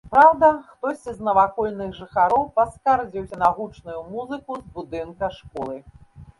Праўда, хтосьці з навакольных жыхароў паскардзіўся на гучную музыку з будынка школы.